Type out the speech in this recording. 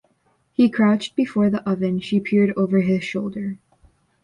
He crouched before the oven, she peered over his shoulder.